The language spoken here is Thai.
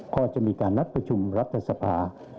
พอจะมีการนัดประชุมรับทรศพา